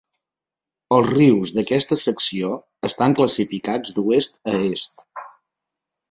Els rius d'aquesta secció estan classificats d'oest a est.